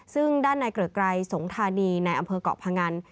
ซึ่งด้านในเกริกไกรสงธานีในอำเภอกเกาะพงัน